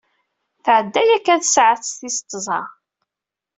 Tɛedda yakan tsaɛet tis tẓa.